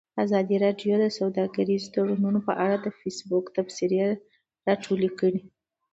ازادي راډیو د سوداګریز تړونونه په اړه د فیسبوک تبصرې راټولې کړي.